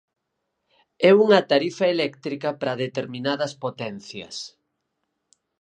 É unha tarifa eléctrica para determinadas potencias.